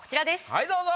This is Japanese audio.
はいどうぞ。